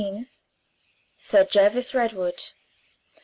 SIR JERVIS REDWOOD.